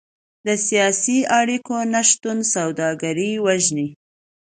د سیاسي اړیکو نشتون سوداګري وژني.